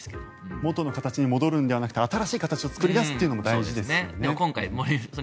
元の形に戻るんじゃなくて新しい形にすることも大事ですよね。